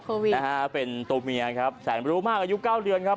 โควิดนะฮะเป็นตัวเมียครับแสนรู้มากอายุเก้าเดือนครับ